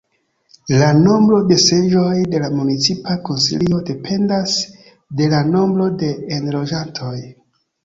La nombro de seĝoj de la municipa Konsilio dependas de la nombro de enloĝantoj.